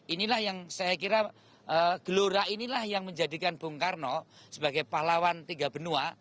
inilah yang saya kira gelora inilah yang menjadikan bung karno sebagai pahlawan tiga benua